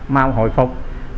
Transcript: mau hồi phục